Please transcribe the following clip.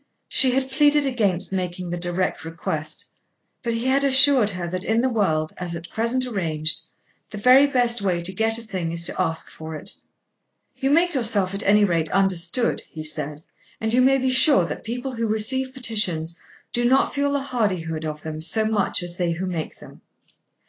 She had pleaded against making the direct request, but he had assured her that in the world, as at present arranged, the best way to get a thing is to ask for it. "You make yourself at any rate understood," he said, "and you may be sure that people who receive petitions do not feel the hardihood of them so much as they who make them."